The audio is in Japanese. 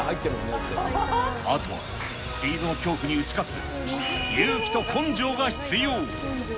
あとはスピードの恐怖に打ち勝つ勇気と根性が必要。